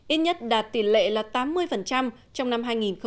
ít nhất đạt tỷ lệ là tám mươi trong năm hai nghìn một mươi sáu